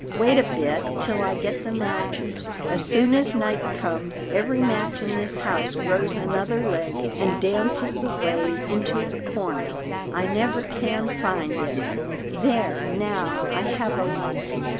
Wait a bit, till I get the matches. As soon as night comes, every match in this house grows another leg, and dances away into a corner. I never can find any. There now, I have a light.